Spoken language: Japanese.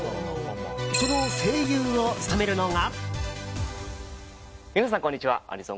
その声優を務めるのが。